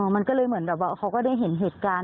มันก็เลยเหมือนแบบว่าเขาก็ได้เห็นเหตุการณ์